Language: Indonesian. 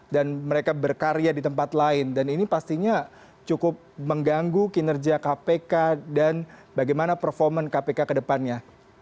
dan mereka berkarya di tempat lain dan ini pastinya cukup mengganggu kinerja kpk dan bagaimana performa kpk kedepannya